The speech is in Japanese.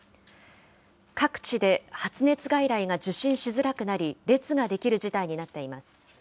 各地で発熱外来が受診しづらくなり、列が出来る事態になっています。